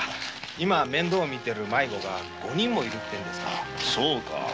今面倒みてる迷子が五人もいるってんですから。